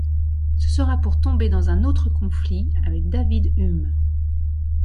Ce sera pour tomber dans un autre conflit avec David Hume.